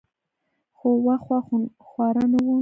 خو واښه خونخواره نه وو.